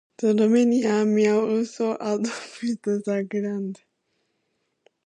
The Romanian Army also adopted the Galand.